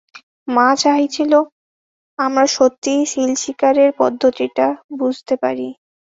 মা চাইছিল আমরা সত্যিই সিল শিকারের পদ্ধতিটা বুঝতে পারি।